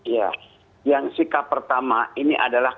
ya yang sikap pertama ini adalah